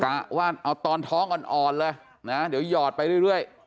กะว่าเอาตอนท้องอ่อนเลยนะเดี๋ยวหยอดไปเรื่อย